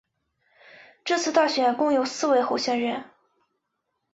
这次大选共有四位候选人。